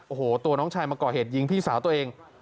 โอ้โหตัวน้องชายมาก่อเหตุยิงพี่สาวตัวเอง